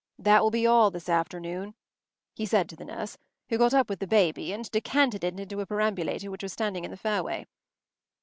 That will be all this afternoon,” he said to the nurse, who got up with the baby and decanted it into a perambulator which was standing in the fairway.